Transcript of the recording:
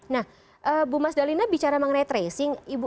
nah bu mas dalina bicara mengenai tracing